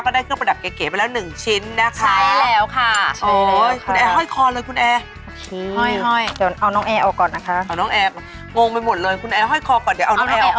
ได้เครื่องประดับเก๋ไปแล้ว๑ชิ้นนะคะ